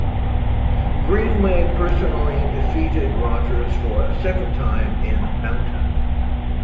Greenway personally defeated Rogers for a second time in Mountain.